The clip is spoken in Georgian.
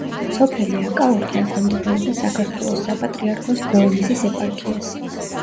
სოფელი აკაურთა ექვემდებარება საქართველოს საპატრიარქოს ბოლნისის ეპარქიას.